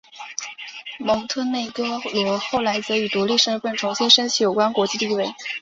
蒙特内哥罗后来则以独立身份重新申请有关国际地位。